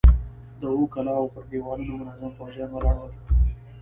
د اوو کلاوو پر دېوالونو منظم پوځيان ولاړ ول.